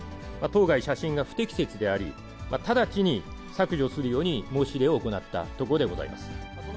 当該写真が不適切であり、直ちに削除するように申し入れを行ったところでございます。